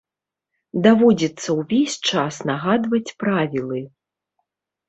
Даводзіцца ўвесь час нагадваць правілы.